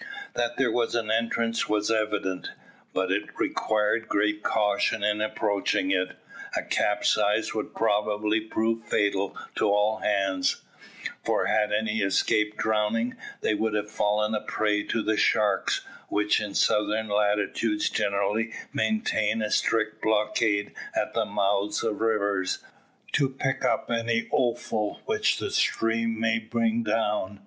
That there was an entrance was evident, but it required great caution in approaching it. A capsize would probably prove fatal to all hands for had any escaped drowning, they would have fallen a prey to the sharks, which in southern latitudes generally maintain a strict blockade at the mouths of rivers, to pick up any offal which the stream may bring down.